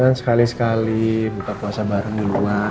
ya kan sekali sekali buka puasa bareng di luar